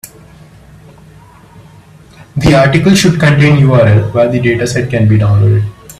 The article should contain URL where the dataset can be downloaded.